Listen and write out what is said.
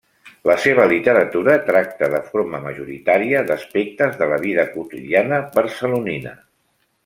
La seva literatura tracta, de forma majoritària, d'aspectes de la vida quotidiana barcelonina.